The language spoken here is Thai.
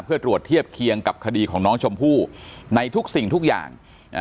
เพื่อตรวจเทียบเคียงกับคดีของน้องชมพู่ในทุกสิ่งทุกอย่าง